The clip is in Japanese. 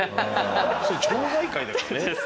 それ町内会だからね。